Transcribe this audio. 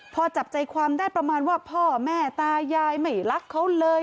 พอจับใจความได้ประมาณว่าพ่อแม่ตายายไม่รักเขาเลย